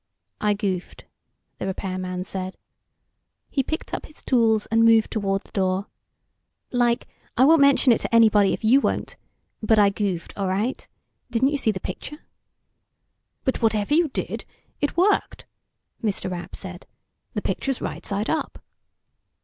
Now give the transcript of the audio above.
"I goofed," the repairman said. He picked up his tools, and moved toward the door. "Like, I won't mention it to anybody if you won't. But I goofed, all right. Didn't you see the picture?" "But whatever you did ... it worked," Mr. Rapp said. "The picture's right side up."